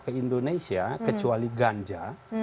ke indonesia kecuali ganja